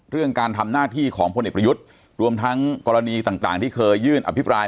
เรื่องการทำหน้าที่ของพลเอกประยุทธ์รวมทั้งกรณีต่างที่เคยยื่นอภิปราย